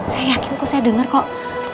saya yakin kok saya dengar kok